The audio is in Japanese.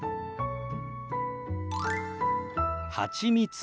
はちみつ。